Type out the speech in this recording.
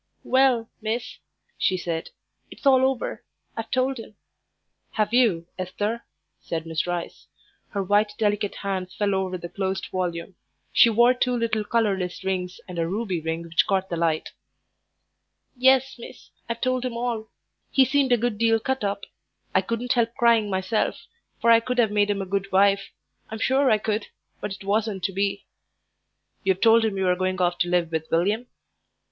"Well, miss," she said, "it's all over. I've told him." "Have you, Esther?" said Miss Rice. Her white, delicate hands fell over the closed volume. She wore two little colourless rings and a ruby ring which caught the light. "Yes, miss, I've told him all. He seemed a good deal cut up. I couldn't help crying myself, for I could have made him a good wife I'm sure I could; but it wasn't to be." "You've told him you were going off to live with William?"